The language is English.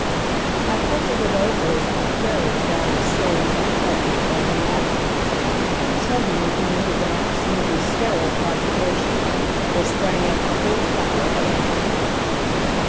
I puzzled it over as my carriage rattled slowly back up Montgomery Avenue. Suddenly from what had been absolutely sterile cogitation, there sprang up the full flower of an idea.